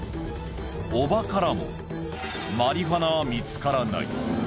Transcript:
叔母からも、マリファナは見つからない。